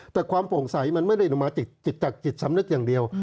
แต่ความโปร่งใสมันไม่ได้มาจากจิตจากจิตสำนึกอย่างเดียว